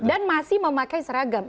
dan masih memakai seragam